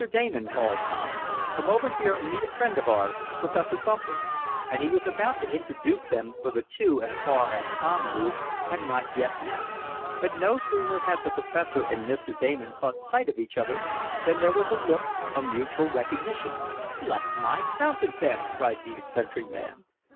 Damon," called Tom, "come over here and meet a friend of ours, Professor Bumper," and he was about to introduce them, for the two, as far as Tom knew, had not yet met. But no sooner had the professor and Mr. Damon caught sight of each other than there was a look of mutual recognition. "Bless my fountain pen!" cried the eccentric man.